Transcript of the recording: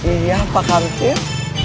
iya pak kartir